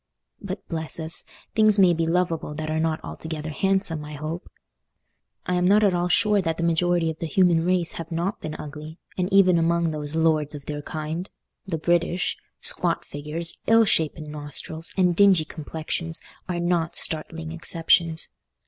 But bless us, things may be lovable that are not altogether handsome, I hope? I am not at all sure that the majority of the human race have not been ugly, and even among those "lords of their kind," the British, squat figures, ill shapen nostrils, and dingy complexions are not startling exceptions.